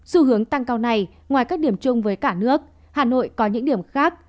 xu hướng tăng cao này ngoài các điểm chung với cả nước hà nội có những điểm khác